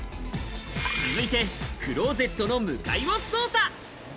続いてクローゼットの向かいを捜査。